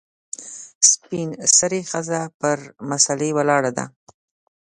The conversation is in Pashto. سپین سرې ښځه پر مسلې ولاړه ده .